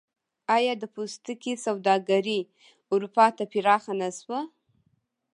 آیا د پوستکي سوداګري اروپا ته پراخه نشوه؟